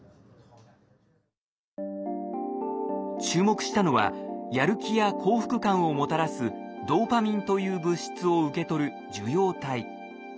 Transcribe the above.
注目したのはやる気や幸福感をもたらすドーパミンという物質を受け取る受容体。